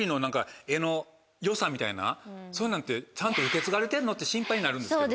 そういうのってちゃんと受け継がれてるの？って心配になるんですけど。